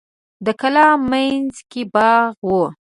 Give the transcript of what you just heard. د کلا مینځ کې باغ و.